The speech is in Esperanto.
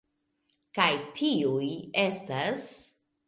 Kaj tiuj estas...